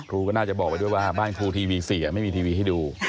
ก็น่าจะบอกไปด้วยว่าบ้านครูทีวีเสียไม่มีทีวีให้ดู